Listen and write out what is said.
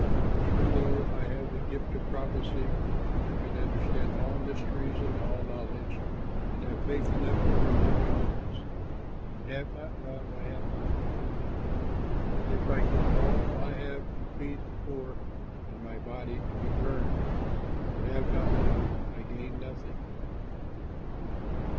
Even though I have the gift of prophecy, and can understand all mysteries and all knowledge, and have faith enough to remove mountains, but have not love, I am nothing. And if I give all I have to feed the poor and my body to be burned, but have not love, I gain nothing.